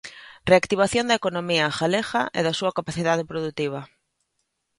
Reactivación da economía galega e da súa capacidade produtiva.